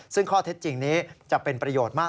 ซึ่งข้อเท็จจริงนี้จะเป็นประโยชน์มาก